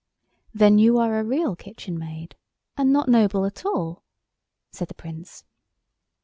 "Then you are a Real Kitchen maid, and not noble at all?" said the Prince.